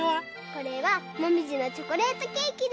これはもみじのチョコレートケーキです。